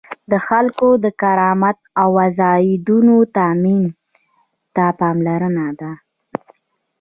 د خلکو د کرامت او آزادیو تأمین ته پاملرنه ده.